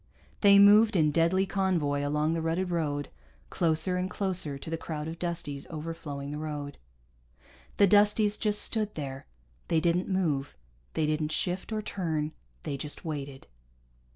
They moved in deadly convoy along the rutted road, closer and closer to the crowd of Dusties overflowing the road. The Dusties just stood there. They didn't move. They didn't shift, or turn. They just waited.